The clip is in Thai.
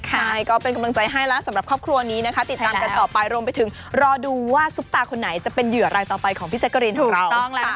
ใช่ก็เป็นกำลังใจให้แล้วสำหรับครอบครัวนี้นะคะติดตามกันต่อไปรวมไปถึงรอดูว่าซุปตาคนไหนจะเป็นเหยื่อรายต่อไปของพี่แจกรีนถูกต้องแล้วค่ะ